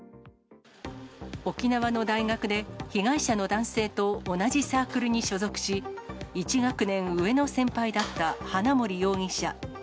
沖縄の大学で被害者の男性と同じサークルに所属し、１学年上の先輩だった花森容疑者。